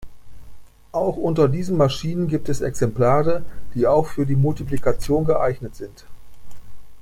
Auch unter diesen Maschinen gibt es Exemplare, die auch für die Multiplikation geeignet sind.